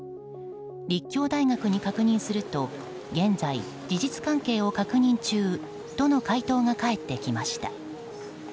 立教大学に確認すると現在、事実関係を確認中との回答が返ってきました。